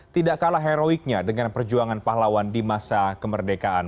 tidak kalah heroiknya dengan perjuangan pahlawan di masa kemerdekaan